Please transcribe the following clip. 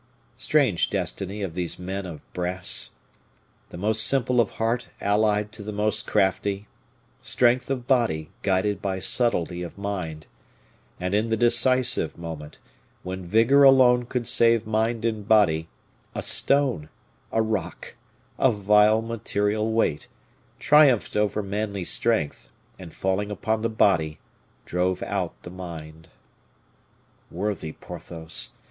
Strange destiny of these men of brass! The most simple of heart allied to the most crafty; strength of body guided by subtlety of mind; and in the decisive moment, when vigor alone could save mind and body, a stone, a rock, a vile material weight, triumphed over manly strength, and falling upon the body, drove out the mind. Worthy Porthos!